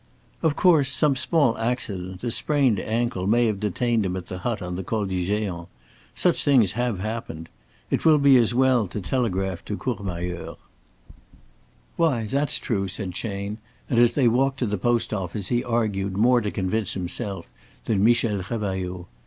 "Of course, some small accident a sprained ankle may have detained him at the hut on the Col du Géant. Such things have happened. It will be as well to telegraph to Courmayeur." "Why, that's true," said Chayne, and as they walked to the post office he argued more to convince himself than Michel Revailloud.